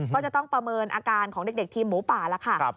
ก็จะต้องประเมินอาการของเด็กทีมหมูป่าแล้วค่ะ